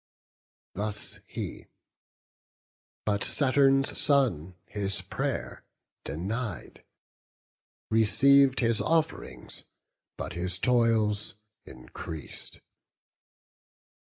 Thus he; but Saturn's son his pray'r denied; Receiv'd his off'rings, but his toils increas'd.